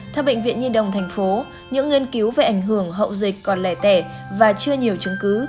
theo bệnh viện nhân đồng thành phố những nghiên cứu về ảnh hưởng hậu dịch còn lẻ tẻ và chưa nhiều chứng cứ